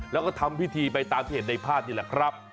แล้วก็ทำพิธีไปตามที่เห็นในภาพนี่แหละครับ